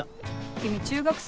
君中学生？